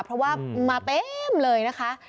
เพราะว่ามาเต็มเลยนะคะ